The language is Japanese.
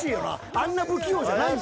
あんな不器用じゃないもん］